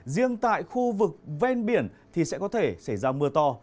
riêng tại khu vực ven biển thì sẽ có thể xảy ra mưa to